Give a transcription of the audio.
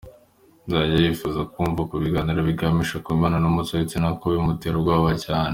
Ntajya yifuza kumva ku biganiro biganisha ku mibonano mpuzabitsina kuko bimutera ubwoba cyane.